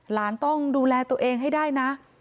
หลานต้องดูแลตัวเองให้ได้นะ